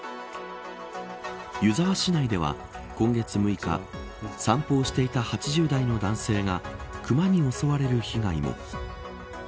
湯沢市内では、今月６日散歩をしていた８０代の男性が熊に襲われる被害も。